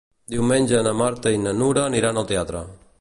Diumenge na Marta i na Nura aniran al teatre.